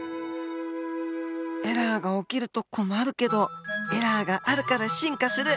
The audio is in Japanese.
エラーが起きると困るけどエラーがあるから進化する。